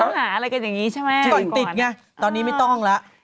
หาอะไรกันอย่างนี้ใช่ไหมก่อนติดไงตอนนี้ไม่ต้องแล้ว